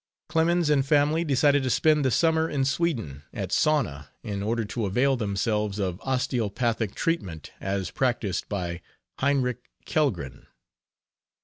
Clemens and family decided to spend the summer in Sweden, at Sauna, in order to avail themselves of osteopathic treatment as practised by Heinrick Kellgren.